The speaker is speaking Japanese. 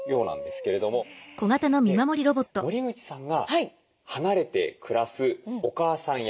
森口さんが離れて暮らすお母さん役。